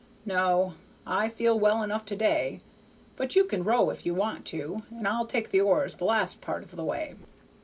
No. I feel well enough to day, but you can row if you want to, and I'll take the oars the last part of the way."